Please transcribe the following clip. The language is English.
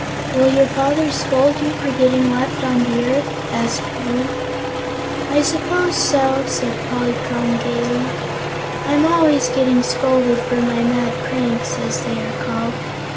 "Will your father scold you for getting left on the earth?" asked Woot. "I suppose so," said Polychrome gaily; "I'm always getting scolded for my mad pranks, as they are called.